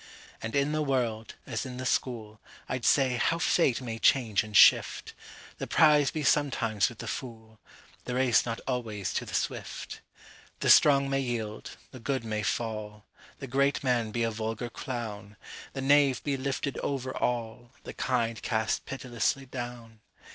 And in the world, as in the school, I'd say, how fate may change and shift; The prize be sometimes with the fool, The race not always to the swift. The strong may yield, the good may fall, The great man be a vulgar clown, The knave be lifted over all, The kind cast pitilessly down.